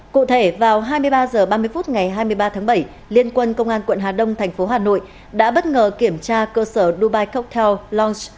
cụ thể vào hai mươi ba h ba mươi phút ngày hai mươi ba tháng bảy liên quân công an quận hà đông thành phố hà nội đã bất ngờ kiểm tra cơ sở dubai coctel lounce